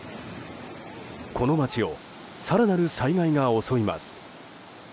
この街を更なる災害が襲います。